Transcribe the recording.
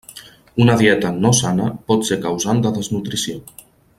Una dieta no sana pot ser causant de desnutrició.